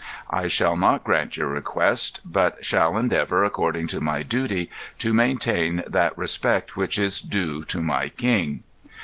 I shall not grant your request; but shall endeavor, according to my duty, to maintain that respect which is due to my king."